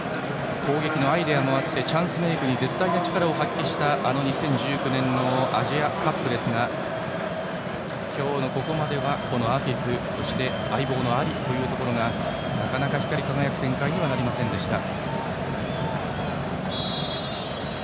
攻撃のアイデアもあってチャンスメイクに絶大な力を発揮した２０１９年のアジアカップですが今日のここまではアフィフ、相棒のアリはなかなか光り輝く展開にはなりませんでした。